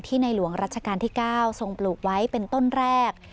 ในหลวงรัชกาลที่๙ทรงปลูกไว้เป็นต้นแรก